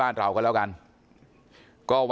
ไม่ตั้งใจครับ